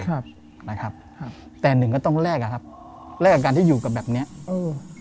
ครับนะครับครับแต่หนึ่งก็ต้องแลกอะครับแลกกับการที่อยู่กับแบบเนี้ยเออ